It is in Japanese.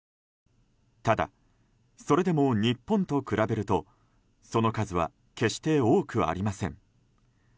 ただ、それでも日本と比べるとその数は決して多くありません。